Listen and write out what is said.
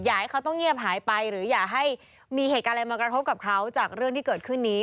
อยากให้เขาต้องเงียบหายไปหรืออย่าให้มีเหตุการณ์อะไรมากระทบกับเขาจากเรื่องที่เกิดขึ้นนี้